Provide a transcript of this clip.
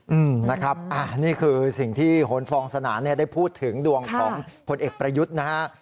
อืมนะครับนี่คือสิ่งที่โหลฟองสนานได้พูดถึงดวงของพลเอกประยุทธ์